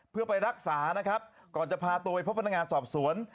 เพื่อไปรักษานะครับก่อนจะพาตัวไปพบพนักงานสอบสวน